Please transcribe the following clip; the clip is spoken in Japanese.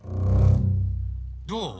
どう？